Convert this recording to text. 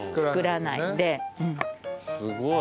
すごい！